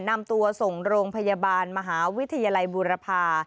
นำตัวส่งโรงพยาบาลมหาวิทยาลัยบุรพา